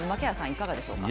いかがでしょうか。